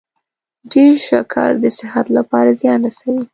ډیر شکر د صحت لپاره زیان رسوي.